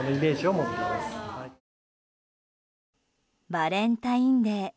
バレンタインデー。